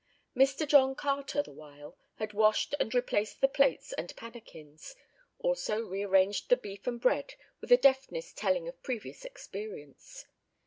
Mr. John Carter, the while, had washed and replaced the plates and pannikins; also rearranged the beef and bread with a deftness telling of previous experience.